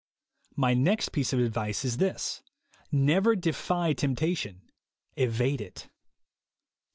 My next piece of advice is this : Never defy temptation — evade it.